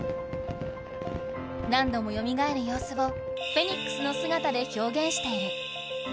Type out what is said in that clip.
何度もよみがえる様子をフェニックスのすがたでひょうげんしている。